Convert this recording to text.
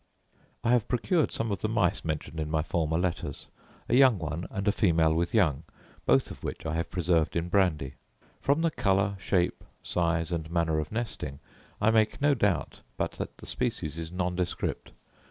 I have procured some of the mice mentioned in my former letters, a young one and a female with young, both of which I have preserved in brandy. From the colour, shape, size, and manner of nesting, I make no doubt but that the species is nondescript.